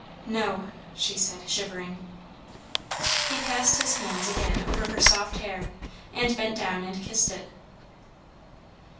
"No " she said, shivering. He passed his hands again over her soft hair, and bent down and kissed it.